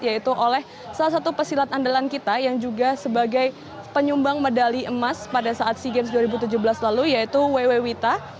yaitu oleh salah satu pesilat andalan kita yang juga sebagai penyumbang medali emas pada saat sea games dua ribu tujuh belas lalu yaitu ww wita